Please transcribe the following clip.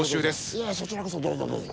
いやそちらこそどうぞどうぞ。